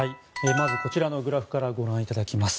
こちらのグラフからご覧いただきます。